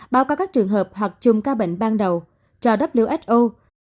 báo cáo các trường hợp hoặc chùm ca bệnh ban đầu cho who